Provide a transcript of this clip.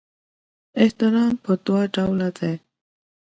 احترام په دوه ډوله دی.